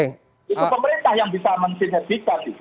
itu pemerintah yang bisa meniset bisa